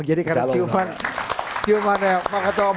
jadi karena ciuman ciuman ya pak ketua omong